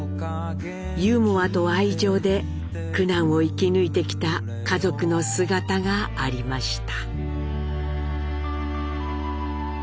ユーモアと愛情で苦難を生き抜いてきた家族の姿がありました。